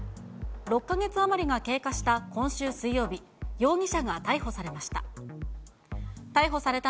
６か月余りが経過した今週水曜日、容疑者が逮捕されました。